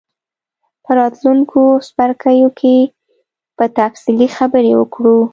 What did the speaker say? په راتلونکو څپرکو کې به تفصیلي خبرې وکړو.